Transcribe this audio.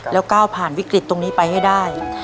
แล้วก้าวผ่านวิกฤตตรงนี้ไปให้ได้